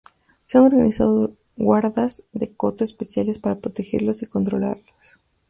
Se han organizado guardas de coto especiales para protegerlos y controlarlos.